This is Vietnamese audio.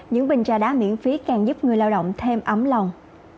những bình trà đá miễn phí càng giúp người lao động thêm ấm lòng